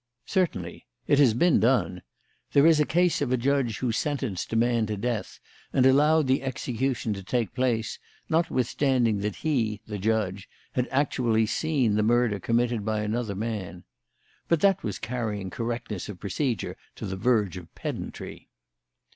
"Certainly. It has been done. There is a case of a judge who sentenced a man to death and allowed the execution to take place, notwithstanding that he the judge had actually seen the murder committed by another man. But that was carrying correctness of procedure to the verge of pedantry."